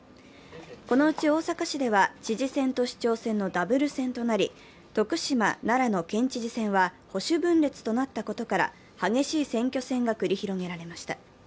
このうち大阪市では知事選と市長選のダブル選となり徳島、奈良の県知事選は保守分裂となったことから激しい選挙戦が繰り広げられました。